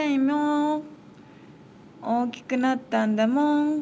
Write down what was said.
おおきくなったんだもん。